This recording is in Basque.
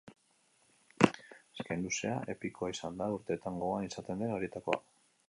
Azken luzea epikoa izan da, urteetan gogoan izaten den horietakoa.